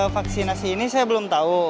vaksinasi ini saya belum tahu